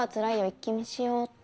一気見しようっと。